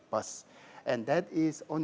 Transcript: dan itu sedang berjalan